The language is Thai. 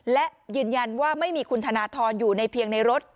และยืนยันว่าไม่มีคุณธนทรอยู่ในเพียงในรถ